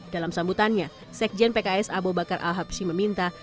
dalam sambutannya sekjen pks abobakar al habsyi meminta